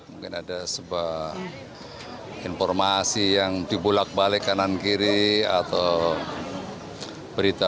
mungkin ada sebuah informasi yang dibulak balik kanan kiri atau berita